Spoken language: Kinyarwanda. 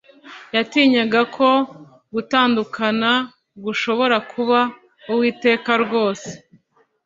yatinyaga ko gutandukana gushobora kuba uw'iteka ryose.